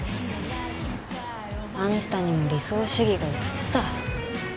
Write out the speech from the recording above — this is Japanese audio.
あんたにも理想主義がうつった？